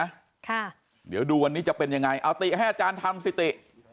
ค่ะเดี๋ยวดูวันนี้จะเป็นยังไงเอาติให้อาจารย์ทำสิติ